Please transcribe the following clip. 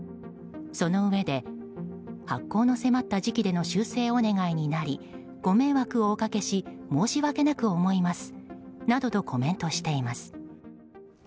そのうえで発行の迫った時期での修正お願いになりご迷惑をおかけし申し訳なく思いますなどとコメントしています。